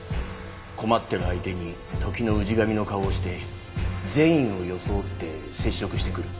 困ってる相手に時の氏神の顔をして善意を装って接触してくる。